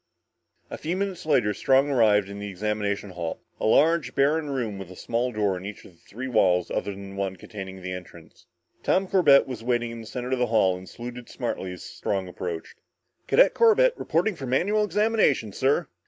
A few minutes later Strong arrived in the examination hall, a large, barren room with a small door in each of the three walls other than the one containing the entrance. Tom Corbett was waiting in the center of the hall and saluted smartly as Strong approached. "Cadet Corbett reporting for manual examination, sir!"